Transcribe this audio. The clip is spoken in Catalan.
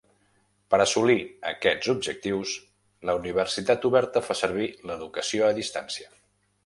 Per assolir aquests objectius, la Universitat Oberta fa servir l'educació a distància.